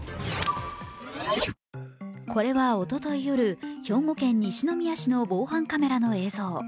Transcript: これはおととい夜、兵庫県西宮氏の防犯カメラの映像。